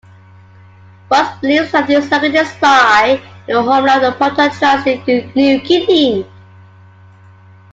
Ross believes that these languages lie near the homeland of proto-Trans New Guinea.